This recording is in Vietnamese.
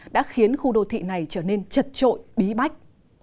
đã khiến khu đô thị này trở nên chật trội bí bách